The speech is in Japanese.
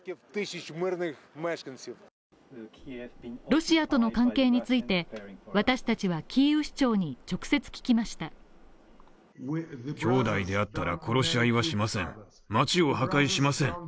ロシアとの関係について私達はキーウ市長に直接聞きました。